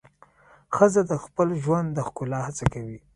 ښځه د خپل ژوند د ښکلا هڅه کوي.